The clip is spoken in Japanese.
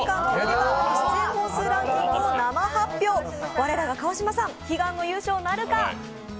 我らが川島さん悲願の優勝なるか。